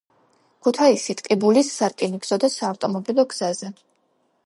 ქუთაისი-ტყიბულის სარკინიგზო და საავტომობილო გზაზე.